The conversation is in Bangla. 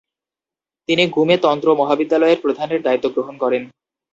তিনি গ্যুমে তন্ত্র মহাবিদ্যালয়ের প্রধানের দায়িত্ব গ্রহণ করেন।